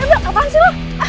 eh apaan sih lu